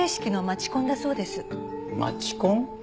街コン？